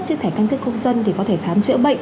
chiếc thẻ căn cước công dân thì có thể khám chữa bệnh